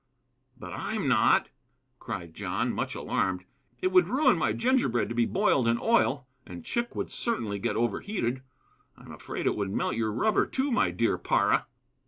"But I'm not!" cried John, much alarmed. "It would ruin my gingerbread to be boiled in oil, and Chick would certainly get overheated. I'm afraid it would melt your rubber, too, my dear Para."